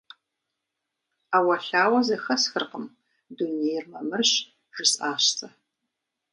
– Ӏэуэлъауэ зэхэсхыркъым, дунейр мамырщ, – жысӀащ сэ.